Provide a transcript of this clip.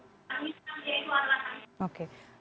permintaan dia itu adalah